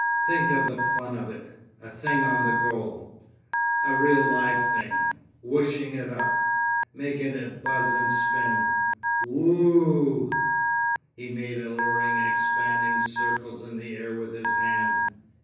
Think of the fun of it—a thing on the go—a Real Live Thing! Wooshing it up! Making it buzz and spin! Whoo oo oo."—He made alluring expanding circles in the air with his hand.